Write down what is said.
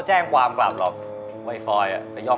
ชื่อฟอยแต่ไม่ใช่แฟง